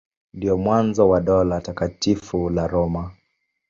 Ndio mwanzo wa Dola Takatifu la Roma.